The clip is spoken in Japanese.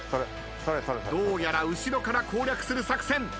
どうやら後ろから攻略する作戦。